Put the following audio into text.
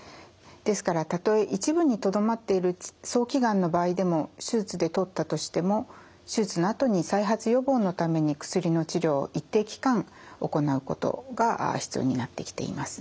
ですからたとえ一部にとどまっている早期がんの場合でも手術で取ったとしても手術のあとに再発予防のために薬の治療を一定期間行うことが必要になってきています。